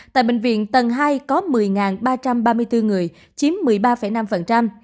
tại bệnh viện tầng hai có một mươi ba trăm ba mươi bốn người chiếm một mươi ba năm